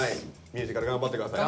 ミュージカル頑張って下さい。